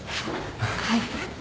はい。